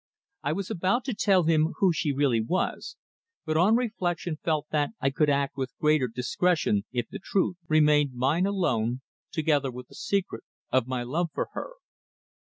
I was about to tell him who she really was, but on reflection felt that I could act with greater discretion if the truth remained mine alone, together with the secret of my love for her.